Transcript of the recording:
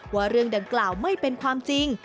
ว่าเรื่องดังกล่าวไม่เป็นความจริง